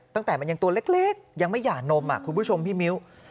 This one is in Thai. ตั้งแต่มันยังตัวเล็กยังไม่หย่านมคุณผู้ชมพี่มิ้ว